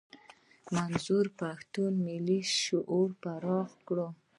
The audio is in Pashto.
منظور پښتون ملي شعور پراخ کړ.